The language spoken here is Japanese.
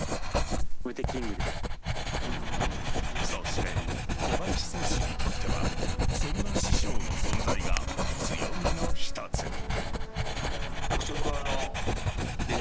そして、小林選手にとってはそんな師匠の存在が強みの一つ。